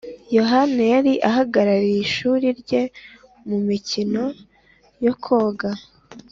john yari ahagarariye ishuri rye mumikino yo koga